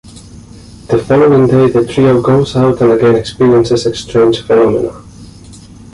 The following day the trio goes out and again experiences strange phenomena.